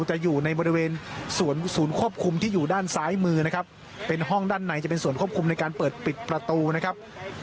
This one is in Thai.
จะอยู่ในบริเวณสวนศูนย์ควบคุมที่อยู่ด้านซ้ายมือนะครับเป็นห้องด้านในจะเป็นส่วนควบคุมในการเปิดปิดประตูนะครับ